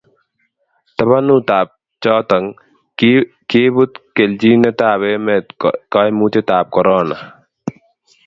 tabanut ak choto, kibut kelchinetab emet kaimutietab korona